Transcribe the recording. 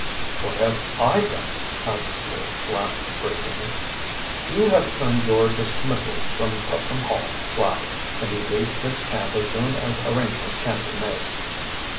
"What have I done?" asked Lew Flapp brazenly. "You have earned your dismissal from Putnam Hall, Flapp, and you leave this camp as soon as arrangements can be made."